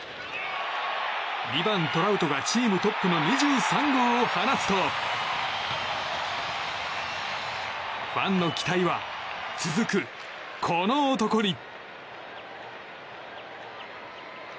２番トラウトがチームトップの２３号を放つとファンの期待は続く、この男に。